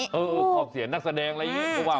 เออครอบเขียนนักแสดงอะไรอย่างนี้